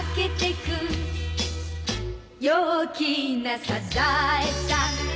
「陽気なサザエさん」